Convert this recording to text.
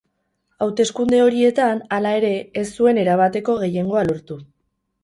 Hauteskunde horietan, hala ere, ez zuen erabateko gehiengoa lortu.